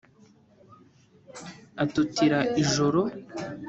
atutira ijoro